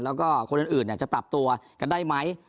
แล้วก็คนอื่นจะปรับตัวกันได้ไหม